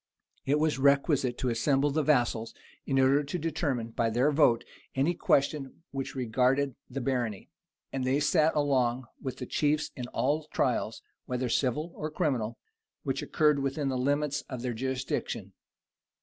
It was requisite to assemble the vassals, in order to determine by their vote any question which regarded the barony; and they sat along with the chief in all trials, whether civil or criminal, which occurred within the limits of their jurisdiction.